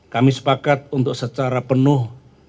kami sepakat untuk secara penuh